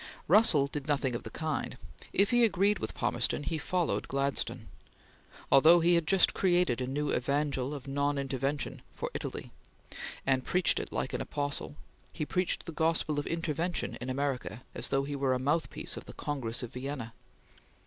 Russell did nothing of the kind; if he agreed with Palmerston, he followed Gladstone. Although he had just created a new evangel of non intervention for Italy, and preached it like an apostle, he preached the gospel of intervention in America as though he were a mouthpiece of the Congress of Vienna.